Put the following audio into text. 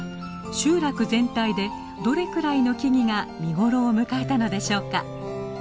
集落全体でどれくらいの木々が見頃を迎えたのでしょうか。